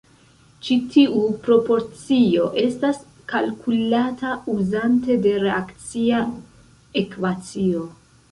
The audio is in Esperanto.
Ĉi tiu proporcio estas kalkulata uzante de reakcia ekvacio.